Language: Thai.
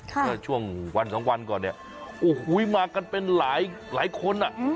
เมื่อช่วงวันสองวันก่อนเนี่ยโอ้โหมากันเป็นหลายคนอ่ะ